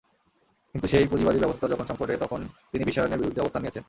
কিন্তু সেই পুঁজিবাদী ব্যবস্থা যখন সংকটে, তখন তিনি বিশ্বায়নের বিরুদ্ধে অবস্থান নিয়েছেন।